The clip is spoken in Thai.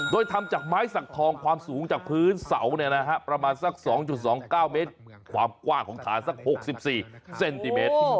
โดยทำจากไม้สักทองความสูงจากพื้นเสาประมาณสัก๒๒๙เมตรความกว้างของฐานสัก๖๔เซนติเมตร